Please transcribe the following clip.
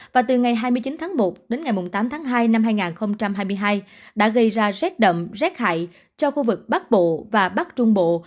và từ ngày hai mươi chín tháng một đến ngày tám tháng hai năm hai nghìn hai mươi hai đã gây ra rét đậm rét hại cho khu vực bắc bộ và bắc trung bộ